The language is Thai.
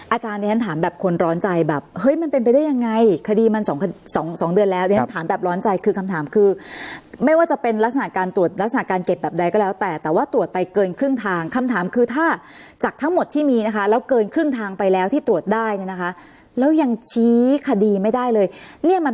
อาจารย์ที่ฉันถามแบบคนร้อนใจแบบเฮ้ยมันเป็นไปได้ยังไงคดีมันสองสองเดือนแล้วเรียนถามแบบร้อนใจคือคำถามคือไม่ว่าจะเป็นลักษณะการตรวจลักษณะการเก็บแบบใดก็แล้วแต่แต่ว่าตรวจไปเกินครึ่งทางคำถามคือถ้าจากทั้งหมดที่มีนะคะแล้วเกินครึ่งทางไปแล้วที่ตรวจได้เนี่ยนะคะแล้วยังชี้คดีไม่ได้เลยเนี่ยมัน